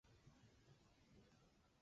二人一直没有子嗣。